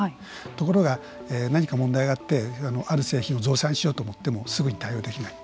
ところが、何か問題があってある製品を増産しようと思ってもすぐに対応できない